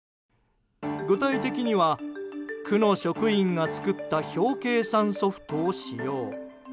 具体的には区の職員が作った表計算ソフトを使用。